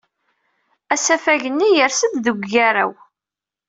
Asafag-nni yers-d deg ugaraw.